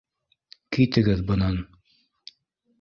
Китегеҙ бынан.